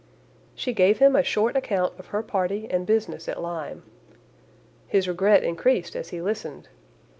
She gave him a short account of her party and business at Lyme. His regret increased as he listened.